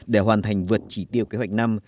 để hoàn thành vượt chỉ tiêu kế hoạch năm